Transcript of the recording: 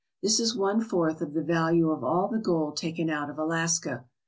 This is one fourth of the value of all the gold taken out of Alaska.